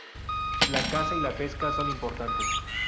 La caza y la pesca son importantes.